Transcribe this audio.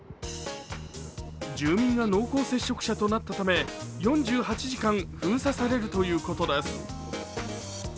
住民が濃厚接触者となったため４８時間封鎖されるということです。